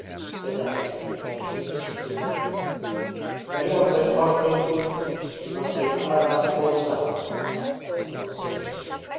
said Daddy Eroshka, shaking his head reproachfully. 'If anyone says "Koshkildy" to you, you must say "Allah rasi bo sun," that is, "God save you."